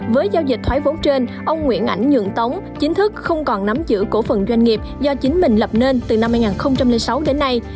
với giao dịch thoái vốn trên ông nguyễn ảnh nhuận tống chính thức không còn nắm giữ cổ phần doanh nghiệp do chính mình lập nên từ năm hai nghìn sáu đến nay